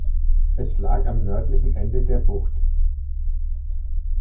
Es lag am nördlichen Ende der Bucht.